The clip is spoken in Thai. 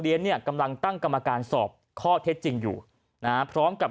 เนี่ยกำลังตั้งกรรมการสอบข้อเท็จจริงอยู่นะฮะพร้อมกับ